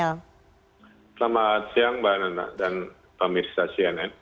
selamat siang mbak nana dan pemirsa cnn